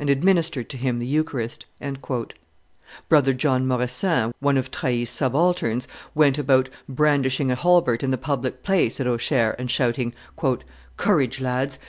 and administered to him the eucharist;" brother John Moresin, one of Trahy's subalterns, went about brandishing a halberd in the public place at Auxerre, and shouting, "Courage, lads!